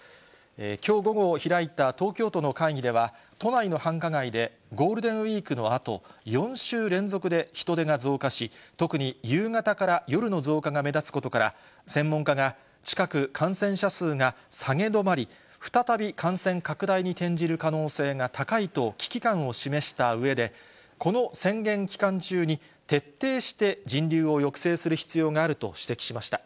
きょう午後開いた東京都の会議では、都内の繁華街でゴールデンウィークのあと、４週連続で人出が増加し、特に夕方から夜の増加が目立つことから、専門家が、近く感染者数が下げ止まり、再び感染拡大に転じる可能性が高いと危機感を示したうえで、この宣言期間中に、徹底して人流を抑制する必要があると指摘しました。